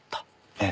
ええ。